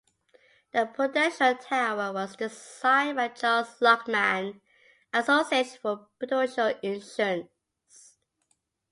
The Prudential Tower was designed by Charles Luckman and Associates for Prudential Insurance.